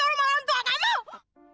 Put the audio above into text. itu rumah orang tua kamu